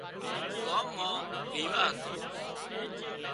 ڳام مان ويواه هتو